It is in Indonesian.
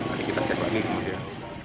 jadi kita cek lagi kemudian